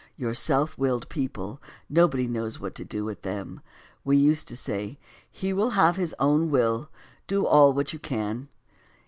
Your self willed people, nobody knows what to do with them: we used to say, "He will have his own will, do all what you can."